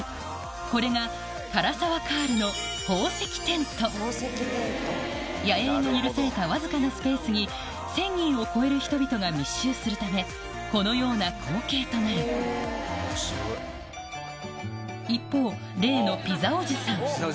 これが涸沢カールの野営が許されたわずかなスペースに１０００人を超える人々が密集するためこのような光景となる一方例のピザおじさん